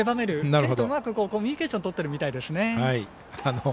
選手とうまくコミュニケーションとってるみたいですね。